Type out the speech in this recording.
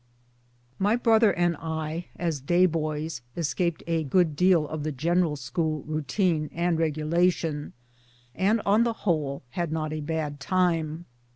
My brother and I, as day boys, escaped a good deal of the general school routine and regulation, and on the whole had not a bad time.